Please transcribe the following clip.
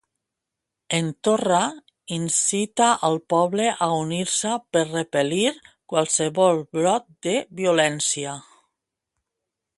En Torra incita al poble a unir-se per repel·lir "qualsevol brot de violència".